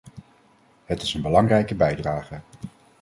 Het is een belangrijke bijdrage.